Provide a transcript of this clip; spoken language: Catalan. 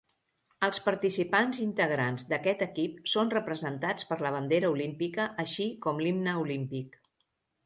Els participants integrants d'aquest equip són representats per la bandera olímpica així com l'himne olímpic.